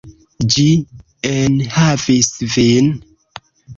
Ĝi enhavis vin.